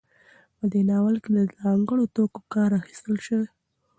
په دې ناول کې له ځانګړو توکو کار اخیستل شوی دی.